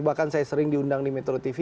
bahkan saya sering diundang di metro tv